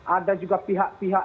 ada juga pihak pihak